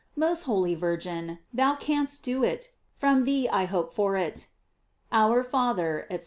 Most holy Virgin, thou canst do it; from thee I hope for it. Our Father, &c.